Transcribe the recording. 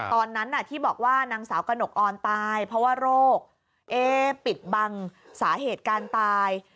ตอนนั้นที่บอกว่านางสาวกระหนกออนตายเพราะว่าโรคปิดบังสาเหตุการตาย